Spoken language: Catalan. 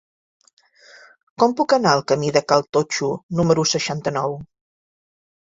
Com puc anar al camí de Cal Totxo número seixanta-nou?